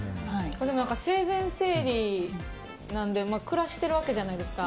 でも生前整理なので暮らしてるわけじゃないですか。